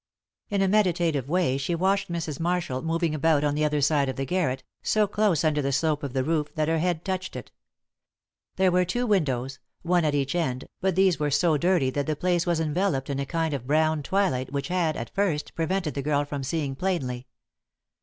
In a meditative way she watched Mrs. Marshall moving about on the other side of the garret, so close under the slope of the roof that her head touched it. There were two windows one at each end, but these were so dirty that the place was enveloped in a kind of brown twilight which had, at first, prevented the girl from seeing plainly.